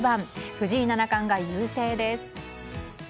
藤井七冠が優勢です。